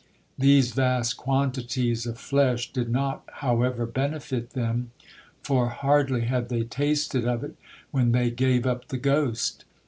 These vast quantities of flesh did not, however, benefit them, for hardly had they tasted of it, when they gave up the ghost.